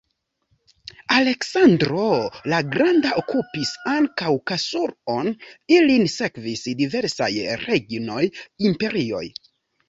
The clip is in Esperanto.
Aleksandro la Granda okupis ankaŭ Kasur-on, ilin sekvis diversaj regnoj, imperioj.